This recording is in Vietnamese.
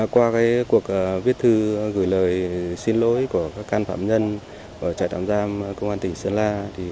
qua cuộc viết thư gửi lời xin lỗi của các can phạm nhân ở trại tạm giam công an tỉnh sơn la